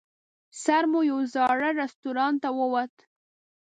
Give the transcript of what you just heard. سر مو یوه زاړه رستورانت ته ووت.